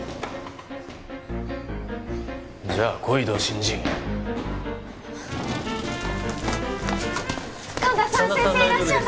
じゃ来いド新人神田さん先生いらっしゃいました！